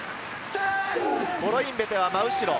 コロインベテは真後ろ。